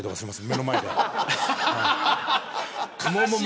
目の前で。